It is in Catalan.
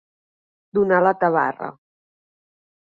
Donar la tabarra.